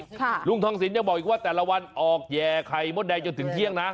ลุงทองสินยังบอกอีกว่าแต่ละวันออกแห่ไข่มดแดงจนถึงเที่ยงนะ